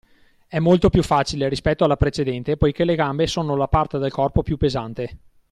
È molto più facile rispetto alla precedente poichè le gambe sono la parte del corpo più pesate